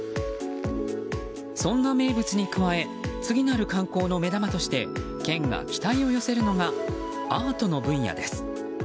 そんな名物に加え次なる観光の目玉として県が期待を寄せるのがアートの分野です。